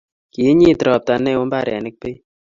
kiinyit robta neoo mbarenik beek